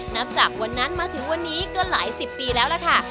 นับจากวันนั้นมาถึงวันนี้ก็หลายสิบปีแล้วล่ะค่ะ